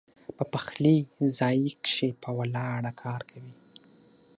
پۀ پخلي ځائے کښې پۀ ولاړه کار کوي